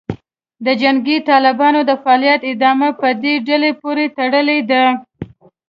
د جنګي طالبانو د فعالیت ادامه په دې ډلې پورې تړلې ده